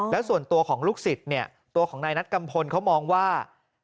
แล้วส่วนตัวของลูกศิษย์เนี่ยตัวของนายนัดกัมพลเขามองว่า